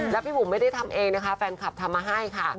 แล้วพี่บุ๋มไม่ได้ทำเองนะคะแฟนคลับทำมาให้ค่ะ